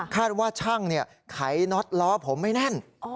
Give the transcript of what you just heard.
คาดว่าช่างเนี่ยไขน็อตล้อผมไม่แน่น